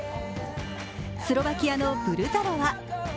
スロバキアのブルザロワ。